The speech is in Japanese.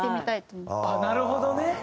あっなるほどね。